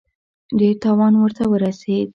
ډېر تاوان ورته ورسېد.